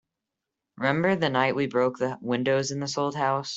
Remember the night we broke the windows in this old house?